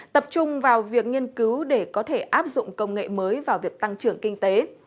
tập trung vào việc nghiên cứu để có thể áp dụng công nghệ mới vào việc tăng trưởng kinh tế